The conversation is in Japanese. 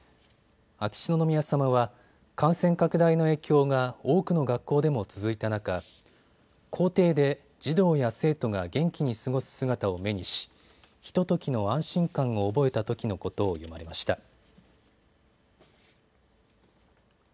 秋篠宮さまは感染拡大の影響が多くの学校でも続いた中、校庭で児童や生徒が元気に過ごす姿を目にしひとときの安心感を覚えたときのことを詠まれました。